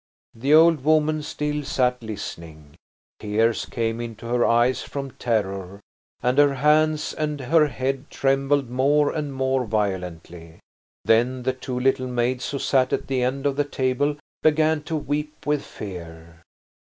The old woman still sat listening. Tears came into her eyes from terror, and her hands and her head trembled more and more violently. Then the two little maids who sat at the end of the table began to weep with fear.